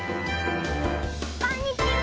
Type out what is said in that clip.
こんにちは！